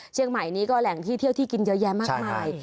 เชียงใหม่นี้ก็แหล่งที่เที่ยวที่กินเยอะแยะมากมาย